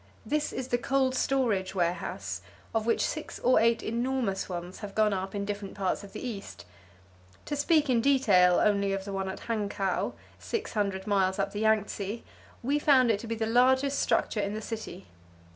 This is the cold storage warehouse, of which six or eight enormous ones have gone up in different parts of the East. To speak in detail only of the one at Hankow, six hundred miles up the Yangtze, we found it to be the largest structure in the city.